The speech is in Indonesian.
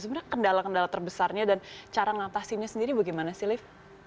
sebenarnya kendala kendala terbesarnya dan cara ngatasinya sendiri bagaimana sih lift